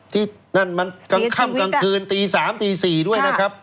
ที่นั่นมันกลางค่ำกลางคืนตี๓ตี๔ด้วยนะครับ